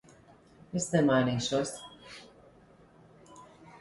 Es nemainīšos.